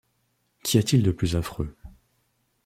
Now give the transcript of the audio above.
Qu'y a-t-il de plus affreux